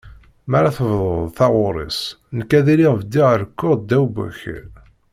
Mi ara tebduḍ taɣuri-s nekk ad iliɣ bdiɣ rekkuɣ ddaw n wakal.